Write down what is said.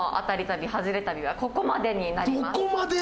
旅はここまでになります。